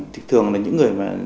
thực thường là những người